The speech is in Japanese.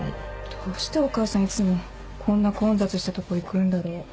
どうしてお母さんいつもこんな混雑したとこ行くんだろう。